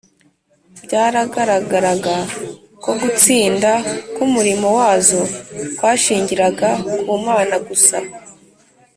byaragaragaraga ko gutsinda k’umurimo wazo kwashingiraga ku mana gusa